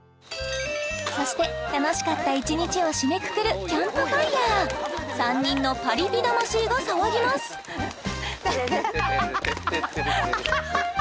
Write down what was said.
そして楽しかった一日を締めくくるキャンプファイヤー３人のパリピ魂が騒ぎますテッテッテルテッテッテルテル